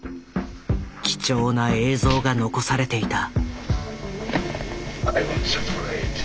貴重な映像が残されていた。